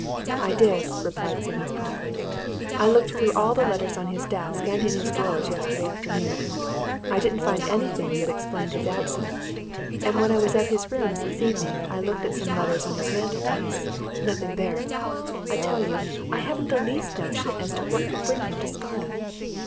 "I did," replied Simmons promptly. "I looked through all the letters on his desk and in his drawers yesterday afternoon. I didn't find anything that explained his absence. And when I was at his rooms this evening I looked at some letters on his mantelpiece nothing there. I tell you, I haven't the least notion as to what could bring him to Scarnham."